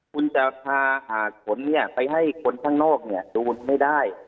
คุณจะพาหาผลไปให้คนข้างนอกดูไม่ได้